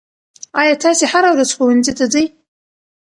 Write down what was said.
آیا تاسې هره ورځ ښوونځي ته ځئ؟